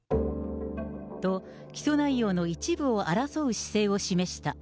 と、起訴内容の一部を争う姿勢を示した。